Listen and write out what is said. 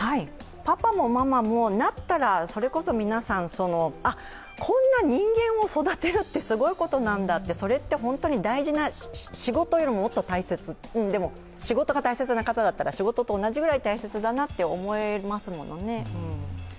パパもママもなったらそれこそ皆さん、こんな人間を育てるってすごいことなんだってそれって本当に大事な、仕事よりももっと大切、でも、仕事が大切な方だったら仕事と同じくらい大切だなって思えますものね。